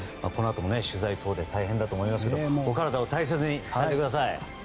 このあとも取材等で大変だと思いますがお体を大切にされてください。